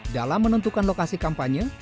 dalam menentukan lokasi kampanye